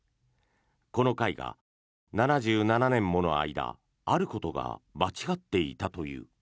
この絵画、７７年もの間あることが間違っていたという。